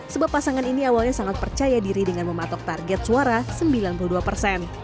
sebab pasangan ini awalnya sangat percaya diri dengan mematok target suara sembilan puluh dua persen